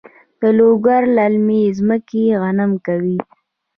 د لوګر للمي ځمکې غنم کوي؟